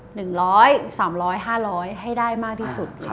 ให้ได้มากที่สุด